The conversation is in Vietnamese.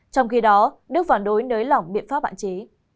trong khi đó đức phản đối nới lỏng biện pháp hạn chế